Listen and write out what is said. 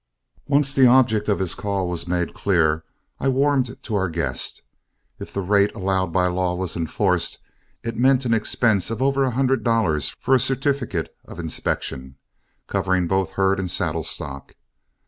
Once the object of his call was made clear, I warmed to our guest. If the rate allowed by law was enforced, it meant an expense of over a hundred dollars for a certificate of inspection covering both herd and saddle stock.